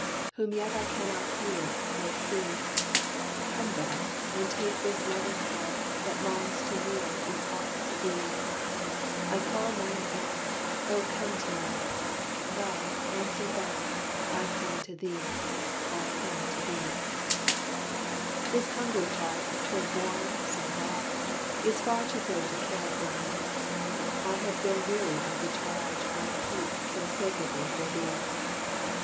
Whom yet I cannot hear, or see, Come thou, and take this loving heart, That longs to yield its all to thee, I call mine own Oh, come to me! Love, answer back, I come to thee, I come to thee. This hungry heart, so warm, so large, Is far too great a care for me. I have grown weary of the charge I keep so sacredly for thee.